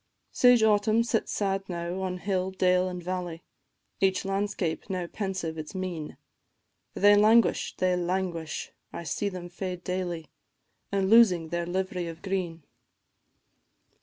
Sage Autumn sits sad now on hill, dale, and valley, Each landscape how pensive its mien! They languish, they languish! I see them fade daily, And losing their liv'ry of green.